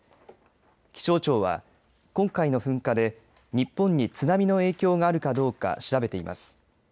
気象庁は今回の噴火で日本に津波の影響があるかどうか調べています。